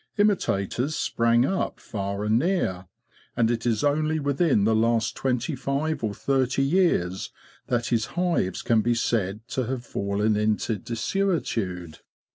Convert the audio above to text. Imitators sprang up far and near, and it is only within the last twenty five or thirty years that his hives can be said to have fallen into desuetude.